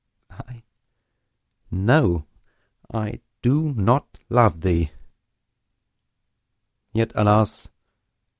I know I do not love thee! yet, alas!